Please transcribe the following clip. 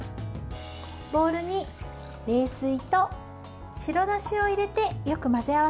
ボウルに冷水と白だしを入れてよく混ぜ合わせます。